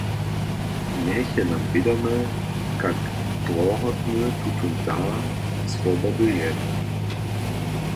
Njech je nam wědome, kak drohotny tutón dar swobody je.